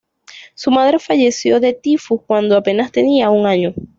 Su madre falleció de tifus cuando apenas tenía un año.